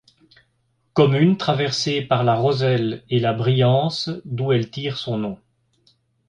Commune traversée par la Roselle et la Briance d'où elle tire son nom.